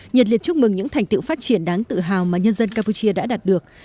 nhật liệt chúc mừng những thành tựu phát triển đáng tự hào mà nhân dân campuchia đã đạt được